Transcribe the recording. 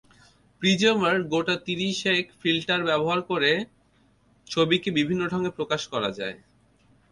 প্রিজমার গোটা ত্রিশেক ফিল্টার ব্যবহার করে ছবিকে বিভিন্ন ঢঙে প্রকাশ করা যায়।